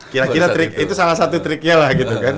kira kira itu salah satu triknya lah